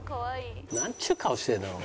なんちゅう顔してんだよ。